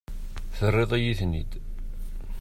Terriḍ-iyi-ten-id.